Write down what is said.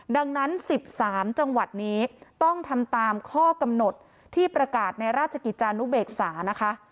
ดังนั้น๑๓จังหวัดนี้ต้องทำตามข้อกำหนดที่ประกาศในราชกิจจานุเบกษานะคะ